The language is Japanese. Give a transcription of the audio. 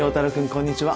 こんにちは。